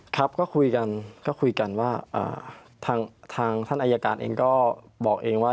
ครับก็คุยกันก็คุยกันว่าทางท่านอายการเองก็บอกเองว่า